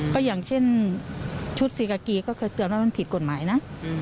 ก็อย่างเช่นชุดซีกากีก็เคยเตือนว่ามันผิดกฎหมายนะ